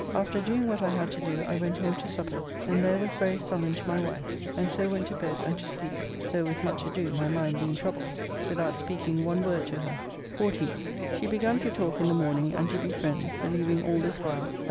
After doing what I had to do I went home to supper, and there was very sullen to my wife, and so went to bed and to sleep (though with much ado, my mind being troubled) without speaking one word to her. 14th. She begun to talk in the morning and to be friends, believing all this while that.